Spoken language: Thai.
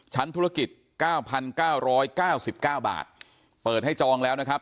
ชั้นธุรกิจเก้าพันเก้าร้อยเก้าสิบเก้าบาทเปิดให้จองแล้วนะครับ